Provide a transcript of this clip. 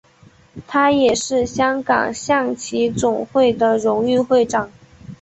他也是香港象棋总会的荣誉会长。